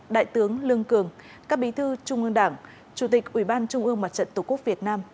đại tướng lương cường các bí thư trung ương đảng chủ tịch ủy ban trung ương mặt trận tổ quốc việt nam